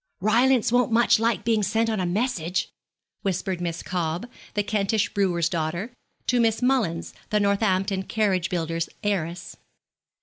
'Rylance won't much like being sent on a message,' whispered Miss Cobb, the Kentish brewer's daughter, to Miss Mullins, the Northampton carriage builder's heiress.